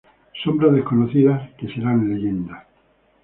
Sombras desconocidas que serán leyenda.